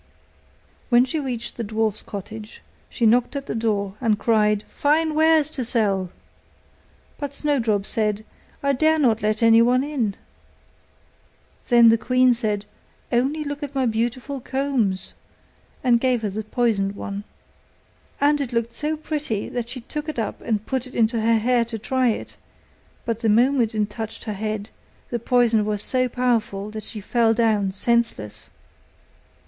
When she reached the dwarfs' cottage, she knocked at the door, and cried, 'Fine wares to sell!' But Snowdrop said, 'I dare not let anyone in.' Then the queen said, 'Only look at my beautiful combs!' and gave her the poisoned one. And it looked so pretty, that she took it up and put it into her hair to try it; but the moment it touched her head, the poison was so powerful that she fell down senseless.